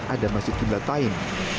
ada masjid qiblat tain